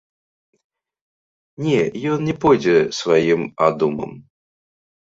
Не, ён не пойдзе сваім адумам.